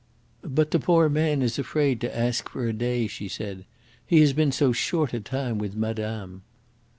"But the poor man is afraid to ask for a day," she said. "He has been so short a time with madame."